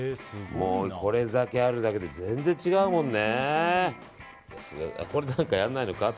これだけあるだけで全然ちがうもんね。